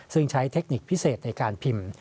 ซึ่งใช้เทคนิคพิเศษในการพิมพ์